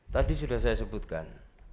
tadi sudah saya sebutkan